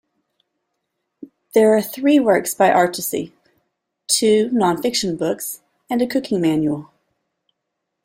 There are three works by Artusi: two non-fiction books and a cooking manual.